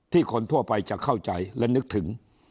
คนทั่วไปจะเข้าใจและนึกถึง